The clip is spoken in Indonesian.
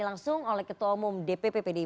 langsung oleh ketua umum dpp pdip